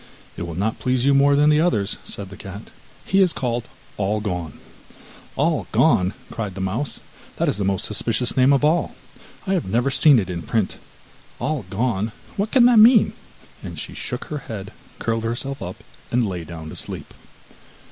'It will not please you more than the others,' said the cat. 'He is called All gone.' 'All gone,' cried the mouse 'that is the most suspicious name of all! I have never seen it in print. All gone; what can that mean?' and she shook her head, curled herself up, and lay down to sleep.